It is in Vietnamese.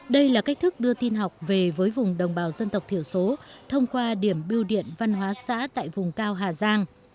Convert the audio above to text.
đây là cách thức đưa tin học về với vùng đồng bào dân tộc thiểu số thông qua điểm biêu điện văn hóa xã tại vùng cao hà giang